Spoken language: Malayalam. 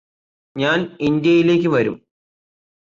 ഞാന് ഇന്ത്യയിലേക്ക് വരും